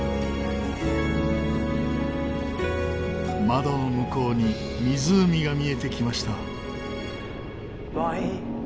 窓の向こうに湖が見えてきました。